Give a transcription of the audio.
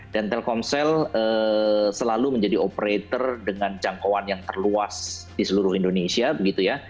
dan telkomsel selalu menjadi operator dengan jangkauan yang terluas di seluruh indonesia begitu ya